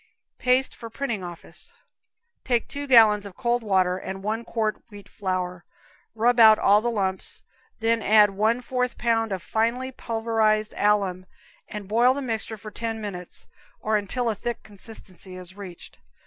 Paste for Printing Office. Take two gallons of cold water and one quart wheat flour, rub out all the lumps, then add one fourth pound of finely pulverized alum and boil the mixture for ten minutes, or until a thick consistency is reached.